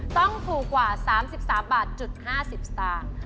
ต้องถูกกว่า๓๓บาท๕๐สตางค์